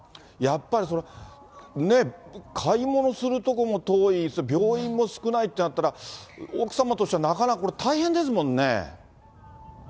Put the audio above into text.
やっぱり、買い物するところも遠い、病院も少ないってなったら、奥様としてはなかなか大変ですもんね。